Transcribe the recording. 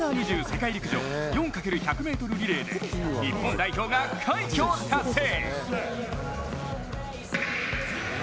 世界陸上４×１００ｍリレーで日本代表が快挙を達成！